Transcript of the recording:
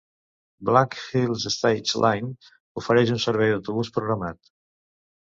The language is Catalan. Black Hills Stage Lines ofereix un servei d'autobús programat.